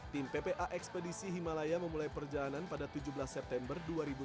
tim ppa ekspedisi himalaya memulai perjalanan pada tujuh belas september dua ribu tujuh belas